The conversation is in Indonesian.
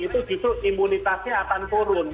itu justru imunitasnya akan turun